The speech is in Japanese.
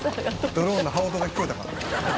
「ドローンの羽音が聞こえたか？」